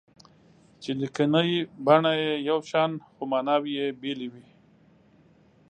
چې لیکني بڼه یې یو شان خو ماناوې یې بېلې وي.